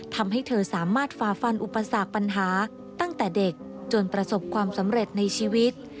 ทำให้เธอสามารถฝ่าฟันอุปสรรคปัญหาตั้งแต่เด็กจนประสบความสำเร็จในชีวิต